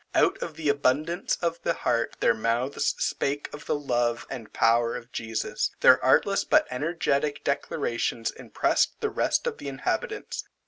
Out of the abundance of the heart their mouths spake of the love and power of Jesus. Their artless but energetic declarations impressed the rest of the inhabitants.